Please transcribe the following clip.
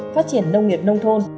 phát triển nông nghiệp nông thôn